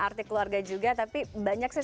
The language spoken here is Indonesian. arti keluarga juga tapi banyak sih